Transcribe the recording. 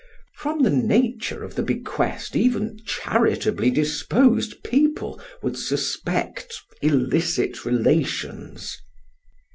From the nature of the bequest even charitably disposed people would suspect illicit relations."